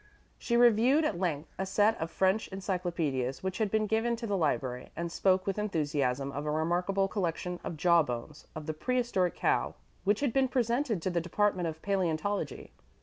She reviewed at length a set of French encyclopedias which had been given to the library, and spoke with enthusiasm of a remarkable collection of jaw bones of the prehistoric cow which had been presented to the department of paleontology.